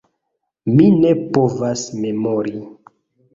Mi ne povas memori.